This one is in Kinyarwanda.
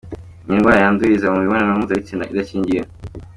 Ni indwara yandurira mu mibonano mpuzabitsina idakingiye.